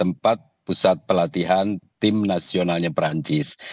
empat pusat pelatihan tim nasionalnya perancis